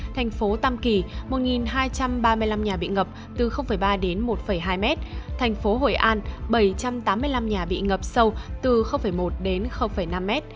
thành phố tam kỳ một hai trăm ba mươi năm nhà bị ngập từ ba đến một hai mét thành phố hội an bảy trăm tám mươi năm nhà bị ngập sâu từ một đến năm mét